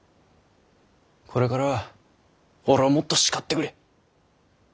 これからは俺をもっと叱ってくれ。